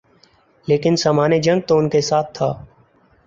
لیکن سامان جنگ تو ان کے ساتھ تھا۔